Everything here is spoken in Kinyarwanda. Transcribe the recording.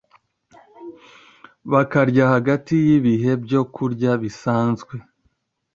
bakarya hagati y’ibihe byo kurya bisanzwe